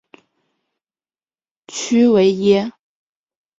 屈维耶。